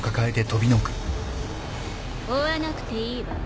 追わなくていいわ。